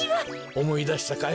おもいだしたかい？